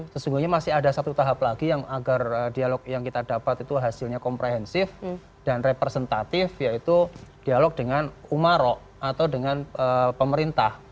sesungguhnya masih ada satu tahap lagi yang agar dialog yang kita dapat itu hasilnya komprehensif dan representatif yaitu dialog dengan umarok atau dengan pemerintah